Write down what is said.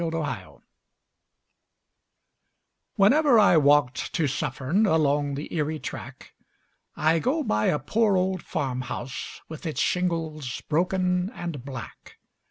0 Autoplay Whenever I walk to Suffern along the Erie track I go by a poor old farmhouse with its shingles broken and black.